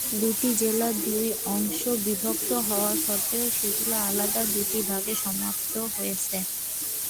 দুইটি জেলা দুই অংশে বিভক্ত হওয়া সত্ত্বেও সেগুলো আলাদা দুটি বিভাগে সমাপ্ত হয়েছে।